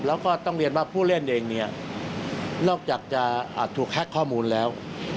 แล้วก็ต้องเรียนว่าผู้เล่นเองเนี่ยนอกจากจะอาจถูกแฮ็กข้อมูลแล้ว